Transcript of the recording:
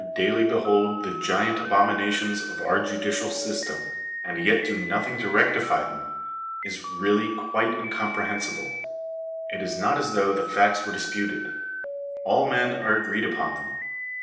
daily behold the giant abominations of our judicial system, and yet do nothing to rectify them, is really quite incomprehen sible. It is not as though the facts were disputed; all men are agreed upon them.